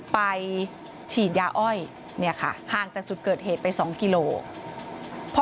ไปฉีดยาอ้อยเนี่ยค่ะห่างจากจุดเกิดเหตุไป๒กิโลกรัม